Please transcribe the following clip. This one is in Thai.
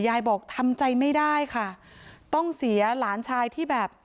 ยายบอกทำใจไม่ได้ค่ะต้องเสียหลานชายที่แบบ